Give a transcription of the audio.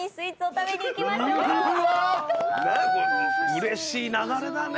うれしい流れだね。